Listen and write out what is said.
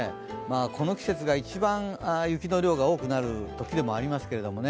この季節が一番雪の量が多くなるときでもありますからね。